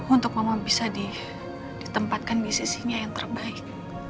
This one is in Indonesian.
untuk memang bisa ditempatkan di sisinya yang terbaik